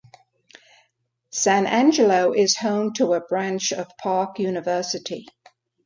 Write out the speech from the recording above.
San Angelo is home to a branch of Park University.